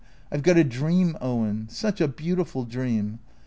I 've got a dream, Owen, such a beautiful dream.